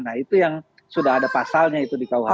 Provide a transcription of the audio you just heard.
nah itu yang sudah ada pasalnya itu dikawal